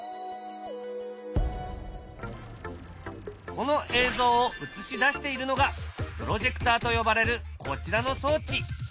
この映像を映し出しているのがプロジェクターと呼ばれるこちらの装置。